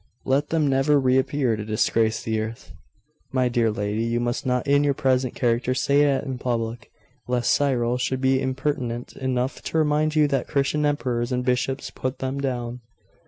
Let them never reappear to disgrace the earth.' 'My dear lady, you must not in your present character say that in public; lest Cyril should be impertinent enough to remind you that Christian emperors and bishops put them down.